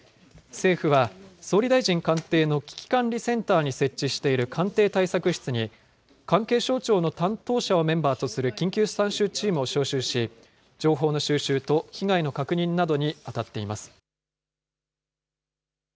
政府は、総理大臣官邸の危機管理センターに設置している官邸対策室に、関係省庁の担当者をメンバーとする緊急参集チームを招集し、情報の収集と被害の確認などに当たっています。